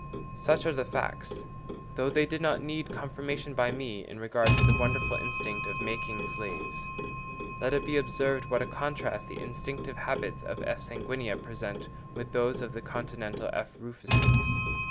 Such are the facts, though they did not need confirmation by me, in regard to the wonderful instinct of making slaves. Let it be observed what a contrast the instinctive habits of F. sanguinea present with those of the continental F. rufescens.